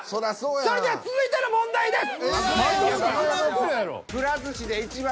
それでは続いての問題です。